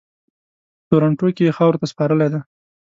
په ټورنټو کې یې خاورو ته سپارلی دی.